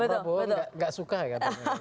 tapi pak prabowo nggak suka ya